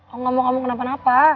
aku gak mau kamu kenapa napa